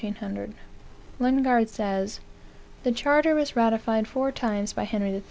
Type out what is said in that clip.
v Lingard says, "The Charter was ratified four times by Henry III.